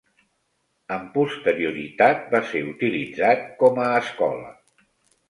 Amb posterioritat, va ser utilitzat com a escola.